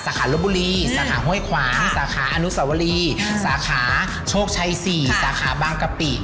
ขาลบบุรีสาขาห้วยขวางสาขาอนุสวรีสาขาโชคชัย๔สาขาบางกะปิ